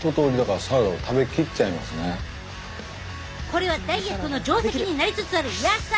これはダイエットの定石になりつつある野菜